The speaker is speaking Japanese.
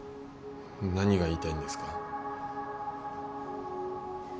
何が言いたいんですか？